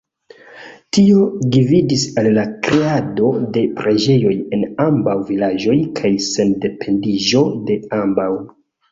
Tio gvidis al la kreado de preĝejoj en ambaŭ vilaĝoj kaj sendependiĝo de ambaŭ.